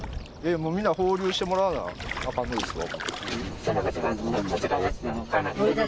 もうみんな放流してもらわなあかんのですわ。